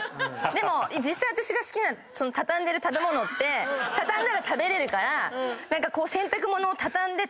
でも実際私が好きな畳んでる食べ物って畳んだら食べれるから何か洗濯物を畳んで。